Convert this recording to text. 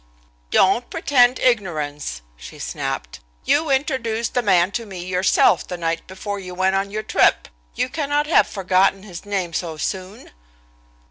"Don't pretend ignorance," she snapped. "You introduced the man to me yourself the night before you went on your trip. You cannot have forgotten his name so soon."